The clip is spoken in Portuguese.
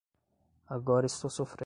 Agora estou sofrendo